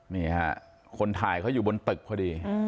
นี่ค่ะคนถ่ายเขาอยู่บนตึกพอดี